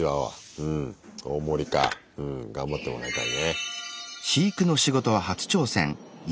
うん頑張ってもらいたいね。